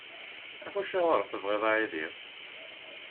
Acuɣer i tebɣiḍ aɛewdiw?